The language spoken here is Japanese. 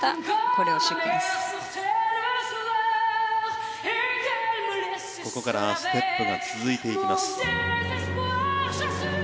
ここからステップが続いていきます。